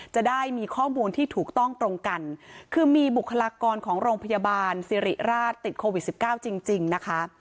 จะได้มีข้อมูลที่ถูกต้องตรงกันคือมีบุคลากรของโรงพยาบาลสิริราชติดโควิดสิบเก้าจริงจริงนะคะ